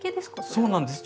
そうなんです。